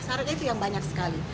syarat itu yang banyak sekali